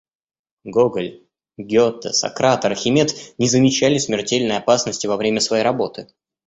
Гоголь, Гете, Сократ, Архимед не замечали смертельной опасности во время своей работы.